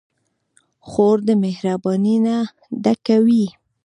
خور د مهربانۍ نه ډکه وي.